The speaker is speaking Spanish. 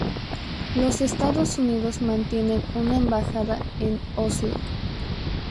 Los Estados Unidos mantienen una embajada en Oslo.